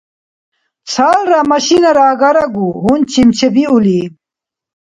Цалра машинара агарагу гьунчиб чебиули.